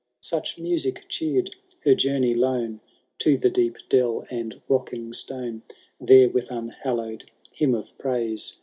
Such music cheer'd her journey lone To the deep dell and rocking stone : There, with unhallow'd hymn of praise.